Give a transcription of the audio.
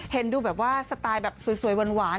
เห็นดูสไตล์สวยหวาน